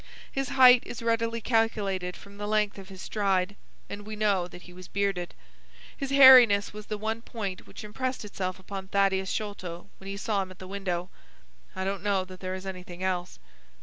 His height is readily calculated from the length of his stride, and we know that he was bearded. His hairiness was the one point which impressed itself upon Thaddeus Sholto when he saw him at the window. I don't know that there is anything else."